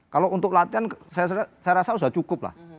kalau untuk latihan saya rasa sudah cukup lah